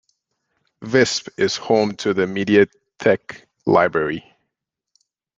Visp is home to the "Mediathek" library.